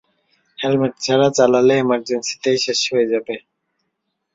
Helmet ছাড়া চালালে এমারজেন্সিতেই শেষ হয়ে যাবে।